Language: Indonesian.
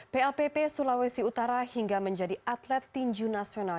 plpp sulawesi utara hingga menjadi atlet tinju nasional